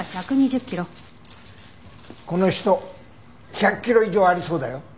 この人１００キロ以上ありそうだよ。